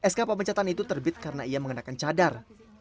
sk pemecatan itu terbit karena ia mengenakan cadar